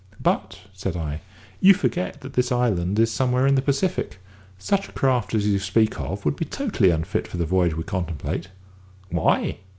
"But," said I, "you forget that this island is somewhere in the Pacific. Such a craft as you speak of would be totally unfit for the voyage we contemplate." "Why?"